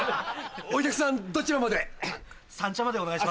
お客さんどちらまで。